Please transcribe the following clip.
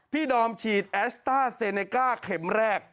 ดอมฉีดแอสต้าเซเนก้าเข็มแรก